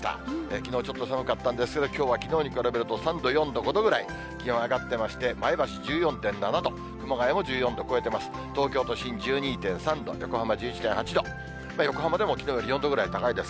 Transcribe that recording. きのう、ちょっと寒かったんですけど、きょうはきのうに比べると３度、４度、５度ぐらい、気温上がってまして、前橋１４．７度、熊谷も１４度超えてます。